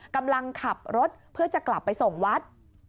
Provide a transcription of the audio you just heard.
กำลังขับรถเพื่อจะกลับไปส่งวัด